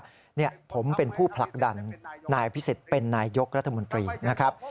คุณสุเทพก็เลยพูดว่าผมเป็นผู้ผลักดันนายอภิษฎิ์เป็นนายยกรัฐมนตรีนะครับ